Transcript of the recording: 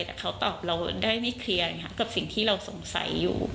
แต่เขาตอบเราได้ไม่เคลียร์อย่างเงี้ยค่ะกับสิ่งที่เราสงสัยอยู่